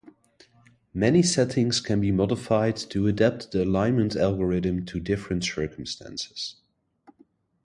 Many settings can be modified to adapt the alignment algorithm to different circumstances.